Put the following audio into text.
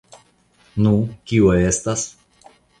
Nu, kio estas?